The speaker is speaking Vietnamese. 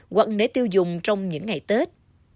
quận để tiêu dùng trong những ngày tết